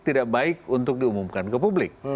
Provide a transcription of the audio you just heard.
tidak baik untuk diumumkan ke publik